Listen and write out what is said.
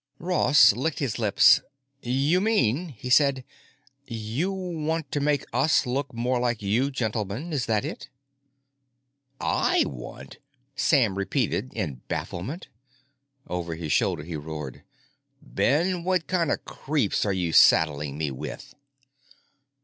Ross licked his lips. "You mean," he said, "you want to make us look more like you gentlemen, is that it?" "I want!" Sam repeated in bafflement. Over his shoulder he roared, "Ben, what kind of creeps are you saddling me with?"